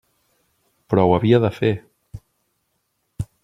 Però ho havia de fer.